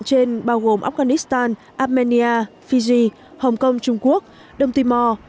vào vùng lãnh thổ trên bao gồm afghanistan armenia fiji hong kong trung quốc đông timor